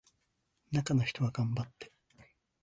中の人は頑張って